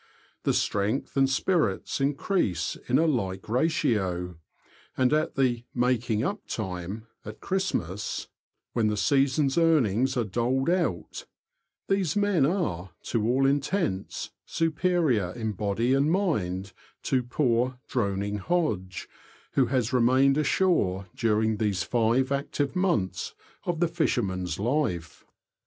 The strength and spirits increase in a like ratio, and at the " making up " time, at Christmas, when the season's earnings are doled out, these men are, to all intents, superior in body and mind to poor, droning Hodge, who has remained ashore during these five active months of the fisherman's life.